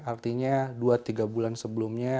artinya dua tiga bulan sebelumnya